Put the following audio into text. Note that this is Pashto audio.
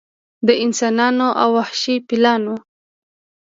د انسانانو او وحشي فیلانو